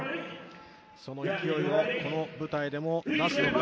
その勢いをこの舞台でも出すのか。